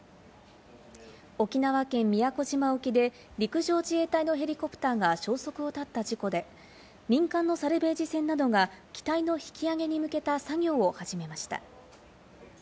沖縄県宮古島沖で陸上自衛隊のヘリコプターが消息を絶った事故で、民間のサルベージ船などが機体の引き揚げに向けた作業を始めました。